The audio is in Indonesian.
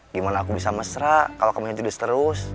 gimana aku bisa mesra kalau kamu yang judes terus